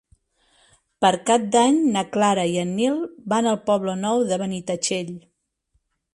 Per Cap d'Any na Clara i en Nil van al Poble Nou de Benitatxell.